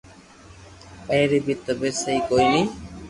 اي ري بي طبعيت سھي ڪوئي ني